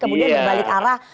kemudian berbalik arah